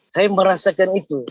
saya merasakan itu